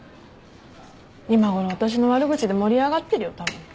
今ごろ私の悪口で盛り上がってるよたぶん。